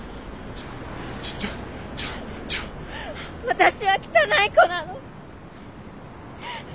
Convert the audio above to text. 私は汚い子なの。